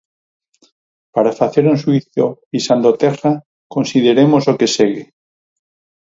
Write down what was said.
Para facer un xuízo pisando terra, consideremos o que segue.